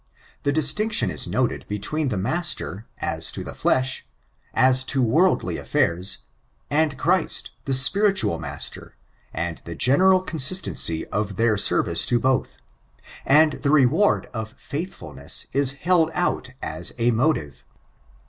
The distinction is noted between the master, as to the flesh — as to worldly affairs, and Christ, the spiritual master, and the general consistency of their service to both; and the reward of fidthfulnees is held out as a motive.